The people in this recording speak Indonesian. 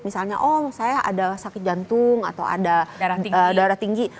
misalnya oh saya ada sakit jantung atau ada darah tinggi